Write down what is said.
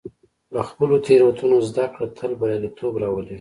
له خپلو تېروتنو زده کړه تل بریالیتوب راولي.